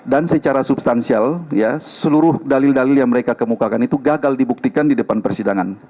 dan secara substansial ya seluruh dalil dalil yang mereka kemukakan itu gagal dibuktikan di depan persidangan